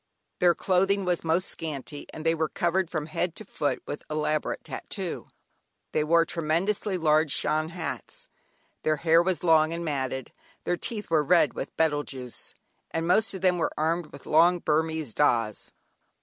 Their clothing was most scanty and they were covered from head to foot with elaborate "tattoo." They wore tremendously large Shan hats, their hair was long and matted, their teeth were red with betel juice, and most of them were armed with long Burmese "dahs" (knives).